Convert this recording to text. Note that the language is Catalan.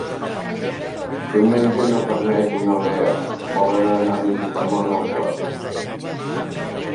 Diumenge na Farners i na Lea volen anar a visitar mon oncle.